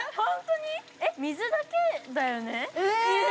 えっ、水だけだよね？